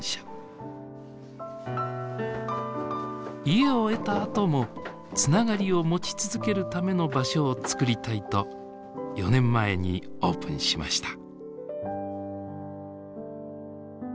家を得たあともつながりを持ち続けるための場所をつくりたいと４年前にオープンしました。